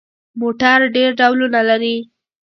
موټر ډېر ډولونه لري.